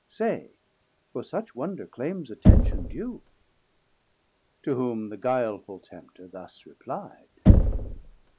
Say, for such wonder claims attention due. To whom the guileful Tempter thus reply'd.